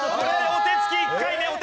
お手つき１回目。